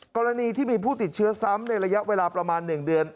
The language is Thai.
กรณีที่มีผู้ติดเชื้อซ้ำในระยะเวลาประมาณ๑เดือน